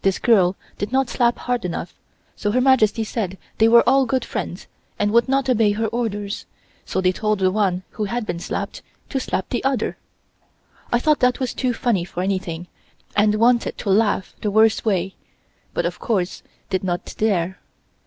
This girl did not slap hard enough, so Her Majesty said they were all good friends and would not obey her orders, so she told the one who had been slapped to slap the other. I thought that was too funny for anything and wanted to laugh the worst way, but of course did not dare.